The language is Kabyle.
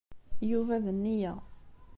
Yuba d nneyya.